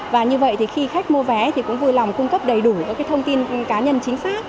và như vậy thì khi khách mua vé thì cũng vui lòng cung cấp đầy đủ các thông tin cá nhân chính xác